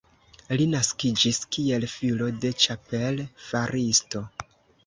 Li naskiĝis kiel filo de ĉapel-faristo.